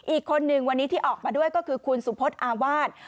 อีกคนนึงวันนี้ที่ออกมาด้วยก็คือคุณสุพธอาวาส